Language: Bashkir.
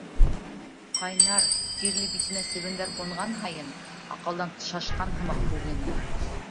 Ҡайнар, тирле битенә себендәр ҡунған һайын аҡылдан шашҡан һымаҡ һүгенә.